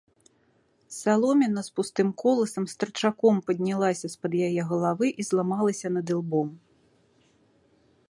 Саломіна з пустым коласам старчаком паднялася з-пад яе галавы і зламалася над ілбом.